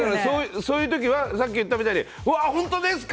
そういう時はさっき言ったみたいにうわ、本当ですか？